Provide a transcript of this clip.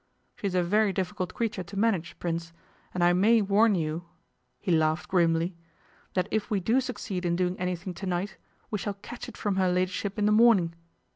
She is a very difficult creature to manage, Prince, and I may warn you,' he laughed grimly, 'that if we do succeed in doing anything to night we shall catch it from her ladyship in the morning.